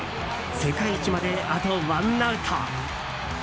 世界一まで、あとワンアウト。